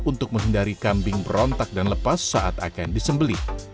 untuk menghindari kambing berontak dan lepas saat akan disembeli